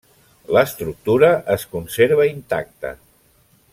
L'estructura es conserva intacta.